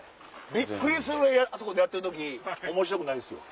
びっくりするぐらいあそこでやってる時面白くないですよ。